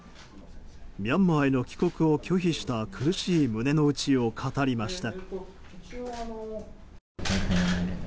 ミャンマーへの帰国を拒否した苦しい胸の内を語りました。